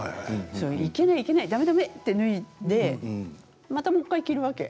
いけない、いけないだめだめ！って脱いでまた、もう１回着るわけ。